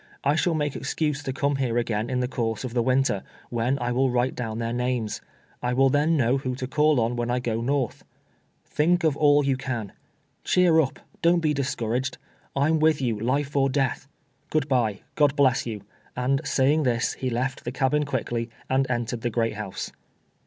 I shall make exense to come here again in the course of the winter, when I will write down their names. I will then know Mdio to call on when I go north. Thiidc of all you can. Cheer up ! Don't be discouraged. Vn\ ^\ itli you, lil'e (n death. Good l)ye. God bless you," aiid saying this he left the cabin quickly, and entered the great house.